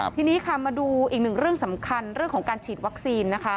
ทีนี้มาดูอีกหนึ่งสำคัญเรื่องของการฉีดวัคซีน